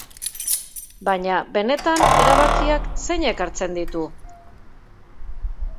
Baina benetan erabakiak zeinek hartzen ditu?